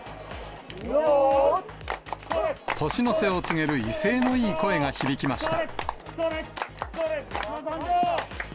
年の瀬を告げる威勢のいい声が響きました。